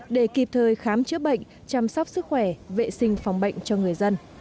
để kịp thời khám chữa bệnh chăm sóc sức khỏe vệ sinh phòng bệnh cho người dân